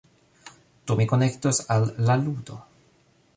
Do, mi konektos al la ludo...